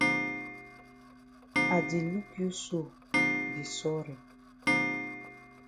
I di look you so di sorry.